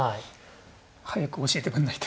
早く教えてくれないと。